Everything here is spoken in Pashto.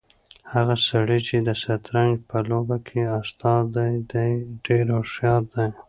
هغه سړی چې د شطرنج په لوبه کې استاد دی ډېر هوښیار دی.